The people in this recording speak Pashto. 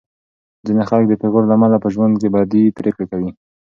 ځینې خلک د پېغور له امله په ژوند کې بدې پرېکړې کوي.